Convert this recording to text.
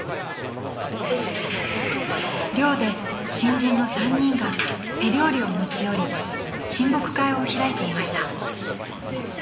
［寮で新人の３人が手料理を持ち寄り親睦会を開いていました］